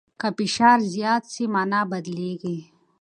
که فشار زیات سي، مانا بدلیږي.